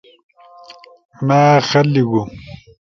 مأ خط لیِگُو۔